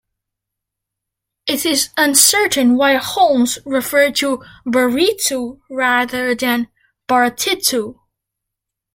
It is uncertain why Holmes referred to "baritsu", rather than "Bartitsu".